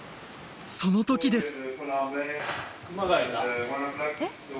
その時です